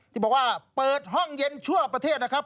ที่บอกว่าเปิดห้องเย็นทั่วประเทศนะครับ